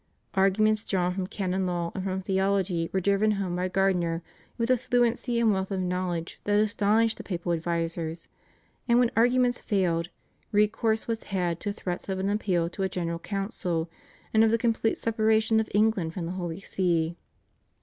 Arguments drawn from canon law and from theology were driven home by Gardiner with a fluency and wealth of knowledge that astonished the papal advisers, and when arguments failed, recourse was had to threats of an appeal to a general council, and of the complete separation of England from the Holy See.